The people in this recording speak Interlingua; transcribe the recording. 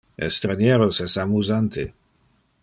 Estranieros es amusante.